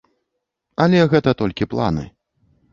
Але гэта толькі планы.